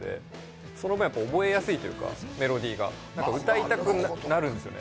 その分、覚えやすいというか、メロディーが歌いたくなるんですよね。